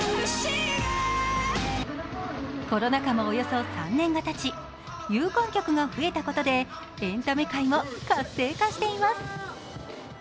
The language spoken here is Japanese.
コロナ禍もおよそ３年がたち、有観客が増えたことでエンタメ界も活性化しています。